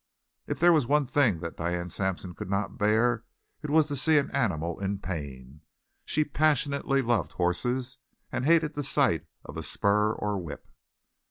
If there was one thing that Diane Sampson could not bear it was to see an animal in pain. She passionately loved horses, and hated the sight of a spur or whip.